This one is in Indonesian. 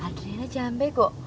adrena jangan bego